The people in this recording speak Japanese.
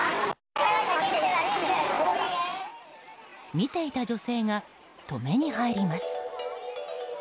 見ていた女性が止めに入ります。